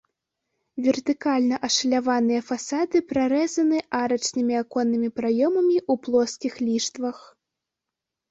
Вертыкальна ашаляваныя фасады прарэзаны арачнымі аконнымі праёмамі ў плоскіх ліштвах.